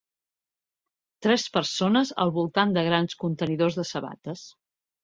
Tres persones al voltant de grans contenidors de sabates.